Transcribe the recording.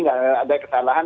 nggak ada kesalahan